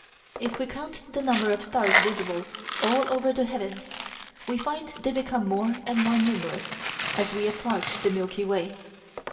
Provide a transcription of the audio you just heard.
If we count the number of stars visible all over the heavens, we find they become more and more numerous as we approach the Milky Way.